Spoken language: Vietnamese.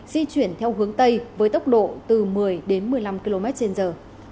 di chuyển theo hướng tây với tốc độ từ một mươi đến một mươi năm km trên giờ